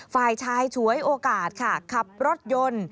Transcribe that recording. ฝ่ายชายฉวยโอกาสค่ะขับรถยนต์